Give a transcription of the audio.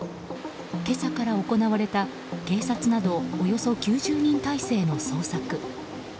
今朝から行われた警察などおよそ９０人態勢の捜索。